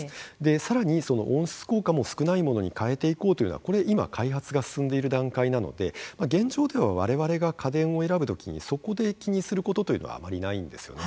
更にその温室効果も少ないものに変えていこうというようなこれ今開発が進んでいる段階なので現状では我々が家電を選ぶ時にそこで気にすることというのはあまりないんですよね。